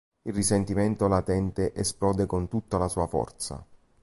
Il risentimento latente esplode con tutta la sua forza.